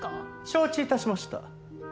承知致しました。